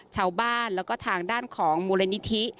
ชาวบ้านแล้วก็ทางด้านของมูลนิธิ